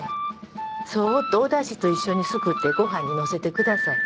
そっとおだしと一緒にすくってごはんにのせてください。